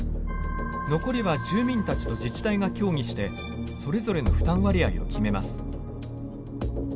残りは住民たちと自治体が協議してそれぞれの負担割合を決めます。